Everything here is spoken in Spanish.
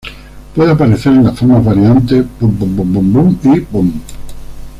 Puede aparecer en las formas variantes 网, 罒, 罓, 𦉰 y 㓁.